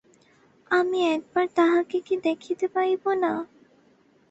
আমি একবার তাহাকে কি দেখিতে পাইব না?